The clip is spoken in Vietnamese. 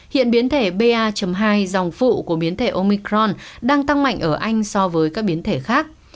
hiện biến thể ba hai dòng phụ của biến thể omicron đang tăng mạnh ở anh so với các biến thể khác